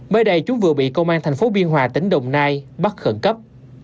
mới đây chúng vừa bị công an thành phố biên hòa tỉnh đồng nai bắt khẩn cấp